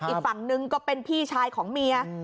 อีกฝั่งนึงก็เป็นพี่ชายของเมีย